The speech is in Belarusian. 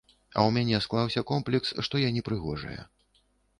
А ў мяне склаўся комплекс, што я непрыгожая.